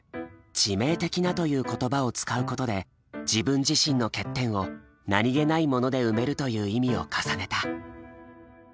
致命的なという言葉を使うことで自分自身の欠点を何気ないもので埋めるという意味を重ねた。